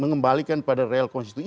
mengembalikan pada real konstitusi